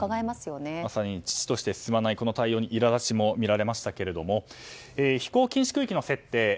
まさに遅々として進まない現状に苛立ちも見られましたけども飛行禁止区域の設定